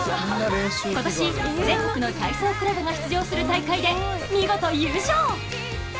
今年、全国の体操クラブが出場する大会で、見事優勝。